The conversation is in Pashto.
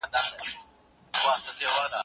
شاګرد باید د موضوع په اړه مطالعه وکړي.